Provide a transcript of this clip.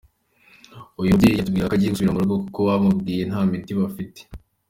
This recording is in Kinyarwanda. Uyu mubyeyi yatubwiraga ko agiye gusubira murugo kuko bamubwiye nta miti bafite.